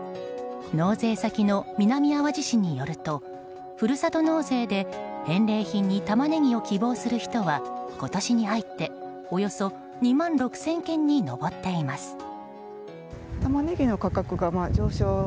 納税先の南あわじ市によるとふるさと納税で返礼品にタマネギを希望する人は今年に入っておよそ２万６０００件に上っています。